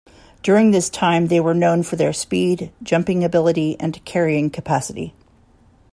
During this time, they were known for their speed, jumping ability, and carrying capacity.